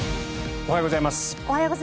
おはようございます。